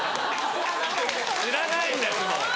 知らないんですもん